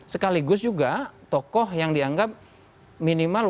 sekaligus juga tokoh yang dianggap minimal